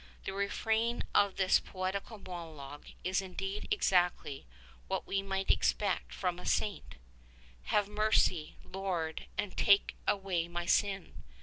The refrain of this poetical monologue is indeed exactly what we might expect from a saint — "Have mercy. Lord, and take away my sin."